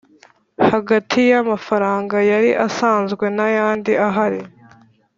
hagati y amafaranga yari asanzwe ntayandi ahari